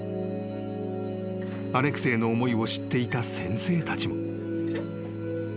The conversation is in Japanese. ［アレクセイの思いを知っていた先生たちも］